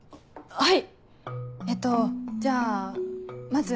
はい。